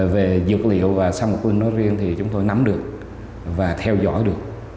về dược liệu và xăm ngọc linh nói riêng thì chúng tôi nắm được và theo dõi được